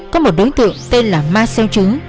có một đối tượng tên là ma sêu chứ